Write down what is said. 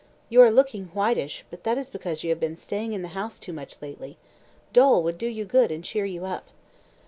"You are looking whitish, but that is because you have been staying in the house too much lately. Dol would do you good and cheer you up."